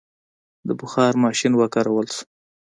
د بخار ماشین وکارول شو.